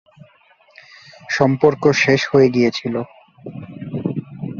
সম্পর্ক শেষ হয়ে গিয়েছিল।